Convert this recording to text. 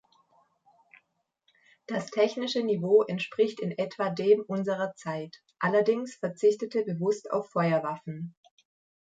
Das technische Niveau entspricht in etwa dem unserer Zeit, allerdings verzichtete bewusst auf Feuerwaffen.